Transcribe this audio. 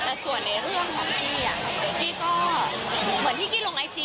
แต่ส่วนในเรื่องของกี้พี่ก็เหมือนที่กี้ลงไอจี